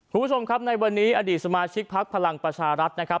คุณผู้ชมครับในวันนี้อดีตสมาชิกพักพลังประชารัฐนะครับ